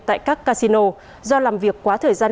tại các casino do làm việc quá thời gian